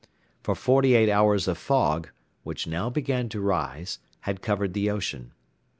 For forty eight hours a fog, which now began to rise, had covered the ocean.